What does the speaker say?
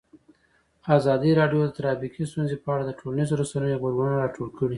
ازادي راډیو د ټرافیکي ستونزې په اړه د ټولنیزو رسنیو غبرګونونه راټول کړي.